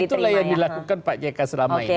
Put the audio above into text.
dan itulah yang dilakukan pak jk selama ini